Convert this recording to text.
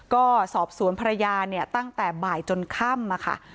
ก็สอบสวนภรรยาเนี่ยตั้งแต่บ่ายจนค่ำค่ะ